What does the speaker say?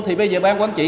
thì bây giờ bán quán trị